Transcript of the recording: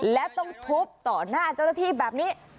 และต้องทุบต่อหน้าเจ้าหน้าที่แบบนี้